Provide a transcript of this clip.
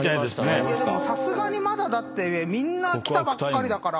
さすがにまだだってみんな来たばっかりだから。